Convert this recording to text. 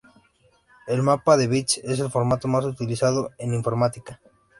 El mapa de bits es el formato más utilizado en informática.